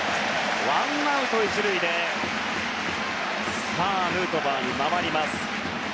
ワンアウト１塁でヌートバーに回ります。